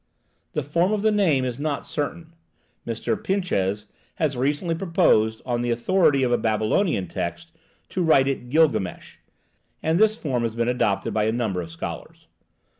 The form of the name is not certain: Mr. Pinches has recently proposed, on the authority of a Babylonian text, to write it Gilgamesh, and this form has been adopted by a number of scholars.